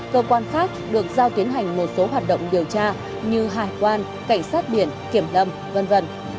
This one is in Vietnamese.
cơ quan khác được giao tiến hành một số hoạt động điều tra như hải quan cảnh sát biển kiểm lâm v v